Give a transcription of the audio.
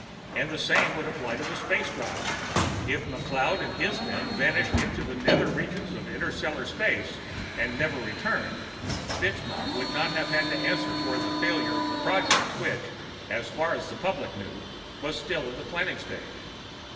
And the same would apply to the space drive; if McLeod and his men vanished into the nether regions of interstellar space and never returned, FitzMaugham would not have had to answer for the failure of a project which, as far as the public knew, was still in the planning stage.